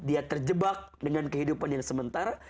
dia terjebak dengan kehidupan yang sementara